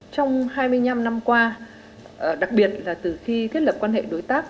trong hai mươi năm năm qua đặc biệt là từ khi thiết lập quan hệ đối tác